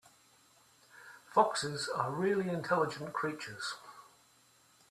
Foxes are really intelligent creatures.